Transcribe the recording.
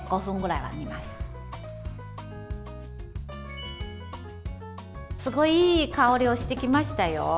すごい、いい香りしてきましたよ。